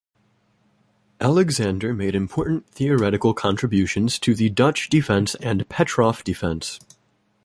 Alexander made important theoretical contributions to the Dutch Defence and Petroff Defence.